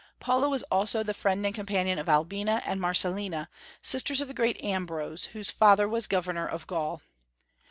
Paula was also the friend and companion of Albina and Marcellina, sisters of the great Ambrose, whose father was governor of Gaul.